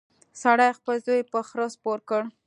سړي خپل زوی په خره سپور کړ.